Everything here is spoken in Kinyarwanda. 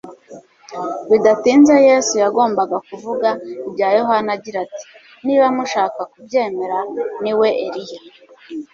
Bidatinze Yesu yagombaga kuvuga ibya Yohana agira ati : "Niba mushaka kubyemera niwe Eliya